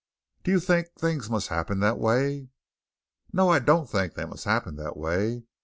"Do you think things must happen that way?" "No, I don't think they must happen that way.